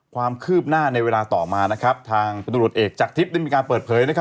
ความคืบหน้าในเวลาต่อมาทางประตูรตเอกจักทิพย์มีการเปิดเผยว่า